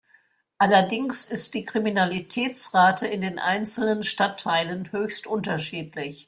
Allerdings ist die Kriminalitätsrate in den einzelnen Stadtteilen höchst unterschiedlich.